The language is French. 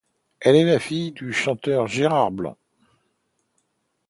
Elle est la fille du chanteur Gérard Blanc.